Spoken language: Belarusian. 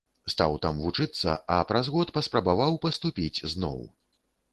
Стаў там вучыцца, а праз год паспрабаваў паступіць зноў.